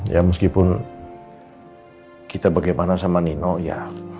ya meskipun kita bagaimana sama nino ya